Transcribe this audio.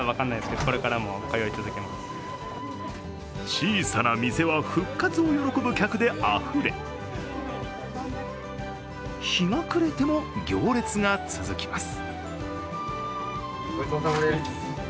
小さな店は復活を喜ぶ客であふれ、日が暮れても行列が続きます。